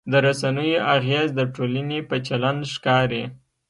د رسنیو اغېز د ټولنې په چلند ښکاري.